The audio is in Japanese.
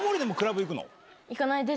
行かないです。